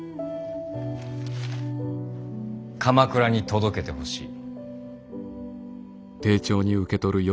鎌倉に届けてほしい。